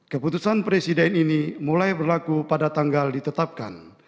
keputusan presiden ini mulai berlaku pada tanggal ditetapkan